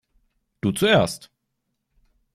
Du zuerst.